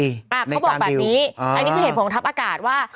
เขาบอกแบบนี้อันนี้คือเหตุผลทัพอากาศว่า